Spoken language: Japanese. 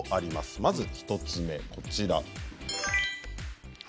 まず１つ目こちら。